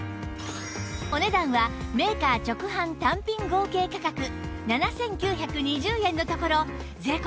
お値段はメーカー直販単品合計価格７９２０円のところ税込